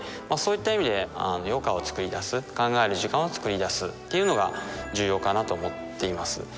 そういった意味で余暇をつくり出す考える時間をつくり出すっていうのが重要かなと思っています。